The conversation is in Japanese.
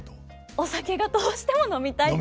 お酒がどうしても飲みたいと。